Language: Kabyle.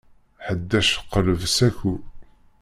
Ḥdac qleb saku.